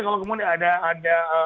kalau kemudian ada